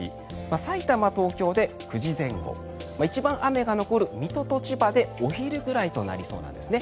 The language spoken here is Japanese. さいたま、東京で９時前後一番雨が残る水戸と千葉でお昼ぐらいとなりそうなんです。